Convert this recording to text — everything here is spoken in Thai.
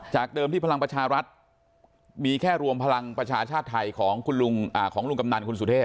เดิมที่พลังประชารัฐมีแค่รวมพลังประชาชาติไทยของลุงกำนันคุณสุเทพ